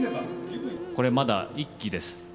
これ、まだ１期です。